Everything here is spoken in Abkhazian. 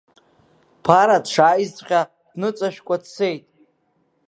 Ԥара дшааизҵәҟьа дныҵашәкәа дцеит.